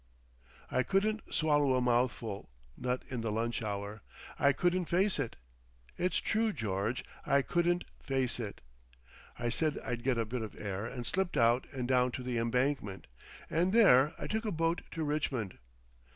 "I couldn't swallow a mouthful—not in the lunch hour. I couldn't face it. It's true, George—I couldn't face it. I said I'd get a bit of air and slipped out and down to the Embankment, and there I took a boat to Richmond.